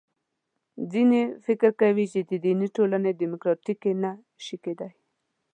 ځینې فکر کوي چې دیني ټولنې دیموکراتیکې نه شي کېدای.